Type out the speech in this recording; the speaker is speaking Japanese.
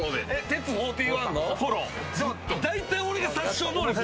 大体俺ら、殺傷能力が。